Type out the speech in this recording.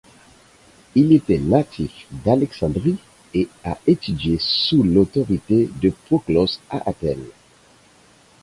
Il était natif d'Alexandrie et a étudié sous l’autorité de Proclos à Athènes.